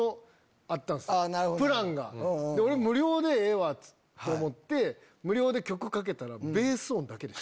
俺無料でええわ！と思って無料で曲かけたら。